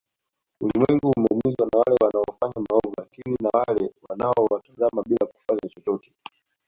Ulimwengu umeumizwa na wale wanaofanya maovu lakini na wale wanaowatazama bila kufanya chochote